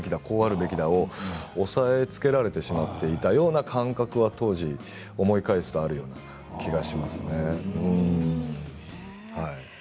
こうあるべきだと押さえつけられてしまっていた感覚は当時、思い返すとあるような気がします。